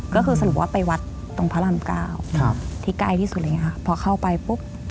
ก็คือสรุปว่าไปวัดตรงพระรามเกล้าที่ใกล้ที่สุดเลยอ่ะพอเข้าไปปุ๊บ